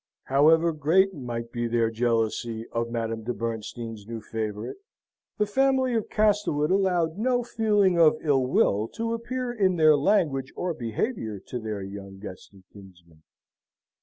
However great might be their jealousy of Madame de Bernstein's new favourite, the family of Castlewood allowed no feeling of illwill to appear in their language or behaviour to their young guest and kinsman.